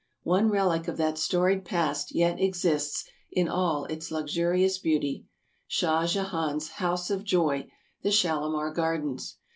One relic of that storied past yet exists in all its luxuri ous beauty — Shah Jehan's House of Joy, the Shalimar Gar dens.